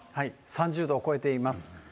３０度を超えています。